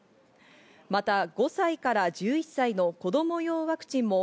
また５歳から１１歳の子供用ワクチンも